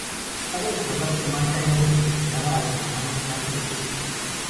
Cabe recordar que Marta era muy aficionada a la Semana Santa de Sevilla.